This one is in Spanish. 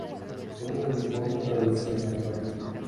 En Hollywood California para la cinematografía.